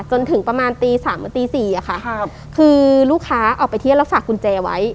จนถึงประมาณตีสามหรือตีสี่อะค่ะครับคือลูกค้าออกไปเที่ยวแล้วฝากกุญแจไว้